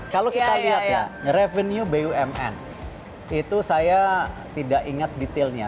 kalau kita lihat ya revenue bumn itu saya tidak ingat detailnya